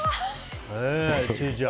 千里ちゃん。